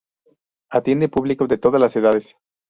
Atiende público de todas las edades.